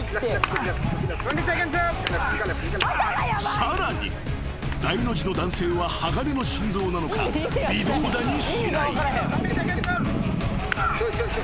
［さらに大の字の男性は鋼の心臓なのか微動だにしない］